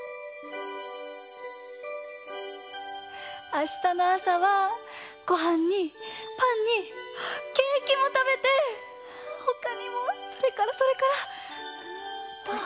あしたのあさはごはんにパンにケーキもたべてほかにもそれからそれから！